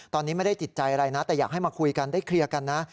ตอนนี้ไม่ได้จิตใจอะไรนะแต่อยากให้มาคุยกันได้เคลียร์กันนะ